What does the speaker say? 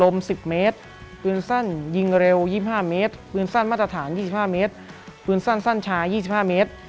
มาตรฐาน๒๕เมตรปืนสั้นสั้นชาย๒๕เมตร